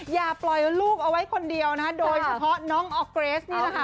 อย่าปล่อยลูกเอาไว้คนเดียวนะคะโดยเฉพาะน้องออกเกรสนี่นะคะ